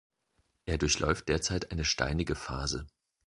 Er durchläuft derzeit eine steinige Phase.